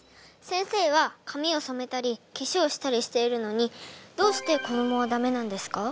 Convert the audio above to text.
先生は髪をそめたり化粧したりしているのにどうして子どもはダメなんですか？